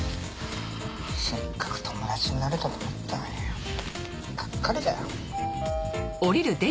せっかく友達になれたと思ったのにがっかりだよ。